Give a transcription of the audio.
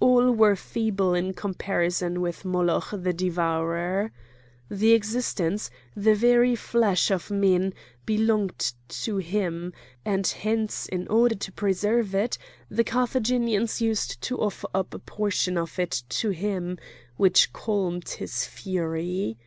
All were feeble in comparison with Moloch the Devourer. The existence, the very flesh of men, belonged to him; and hence in order to preserve it, the Carthaginians used to offer up a portion of it to him, which calmed his fury.